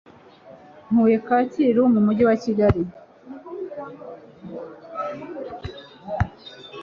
ntuye kacyiru mu mujyi wa kigali